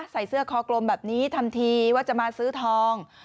ใส่เสื้อคอกลมแบบนี้ทำทีว่าจะมาซื้อทอง